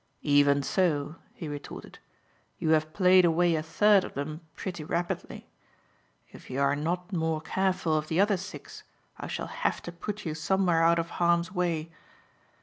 "Even so," he retorted, "you have played away a third of them pretty rapidly. If you are not more careful of the other six, I shall have to put you somewhere out of harm's way.